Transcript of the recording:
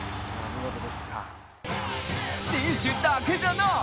選手だけじゃない！